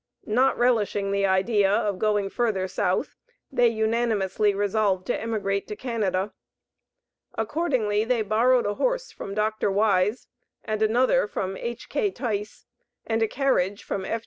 Not relishing the idea of going further South they unanimously resolved to emigrate to Canada. Accordingly they borrowed a horse from Dr. Wise, and another from H.K. Tice, and a carriage from F.